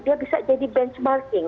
dia bisa jadi benchmarking